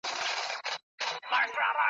گوره بیا څوک د وصال تخت ته رسېږي.